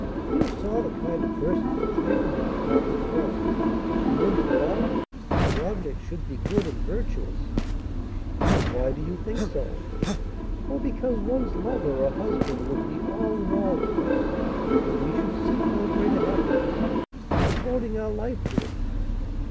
"You saw the kind of persons who frequented the tapis franc. And then, to love, the object should be good and virtuous " "Why do you think so?" "Oh, because one's lover, or husband, would be all in all to us, and we should seek no greater happiness than devoting our life to him. But, M.